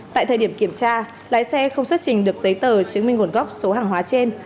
tại thời điểm kiểm tra lái xe không xuất trình được giấy tờ chứng minh nguồn gốc số hàng hóa trên